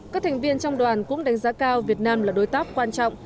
các thành viên trong đoàn cũng đánh giá cao việt nam là đối tác quan trọng